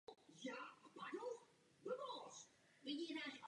Lesní skládka je určena pouze pro dočasné skladování dříví.